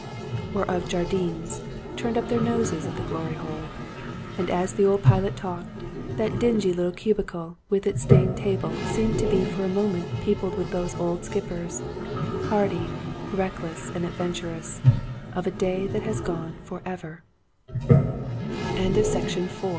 or of Jardine's, turned up their noses at the Glory Hole. And as the old pilot talked that dingy little cubicle with its stained table seemed to be for a moment peopled with those old skip pers, hardy, reckless, and adventurous, of a day tha